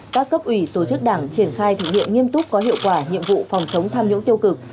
các cấp ủy tổ chức đảng triển khai thực hiện nghiêm túc có hiệu quả nhiệm vụ phòng chống tham nhũng tiêu cực